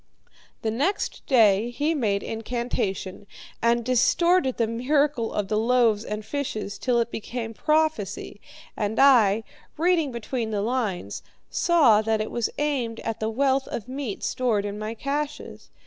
The next day he made incantation, and distorted the miracle of the loaves and fishes till it became prophecy, and I, reading between the lines, saw that it was aimed at the wealth of meat stored in my caches.